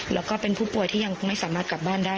แล้วก็เป็นผู้ป่วยที่ยังไม่สามารถกลับบ้านได้